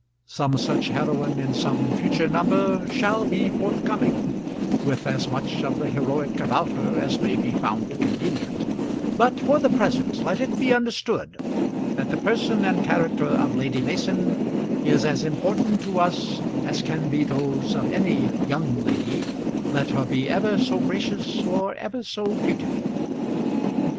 Some such heroine in some future number shall be forthcoming, with as much of the heroic about her as may be found convenient; but for the present let it be understood that the person and character of Lady Mason is as important to us as can be those of any young lady, let her be ever so gracious or ever so beautiful.